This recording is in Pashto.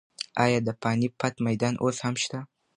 ایا د پاني پت میدان اوس هم شته؟